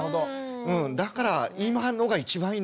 だから今のが一番いいんです。